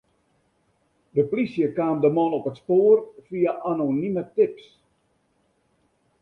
De plysje kaam de man op it spoar fia anonime tips.